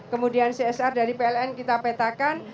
kemudian csr dari pln kita petakan